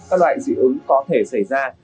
các loại dị ứng có thể xảy ra